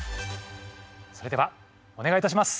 それではおねがいいたします。